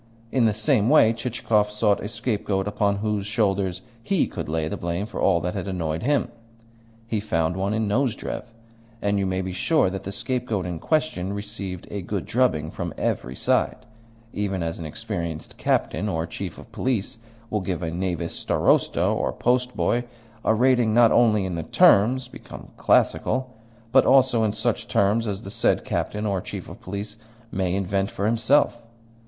In the same way Chichikov sought a scapegoat upon whose shoulders he could lay the blame for all that had annoyed him. He found one in Nozdrev, and you may be sure that the scapegoat in question received a good drubbing from every side, even as an experienced captain or chief of police will give a knavish starosta or postboy a rating not only in the terms become classical, but also in such terms as the said captain or chief of police may invent for himself.